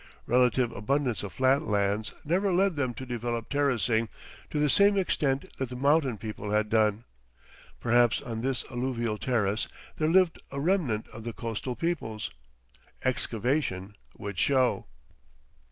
Relative abundance of flat lands never led them to develop terracing to the same extent that the mountain people had done. Perhaps on this alluvial terrace there lived a remnant of the coastal peoples. Excavation would show.